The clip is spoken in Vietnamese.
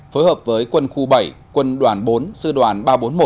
phối hợp với quân khu bảy quân đoàn bốn sư đoàn ba trăm bốn mươi một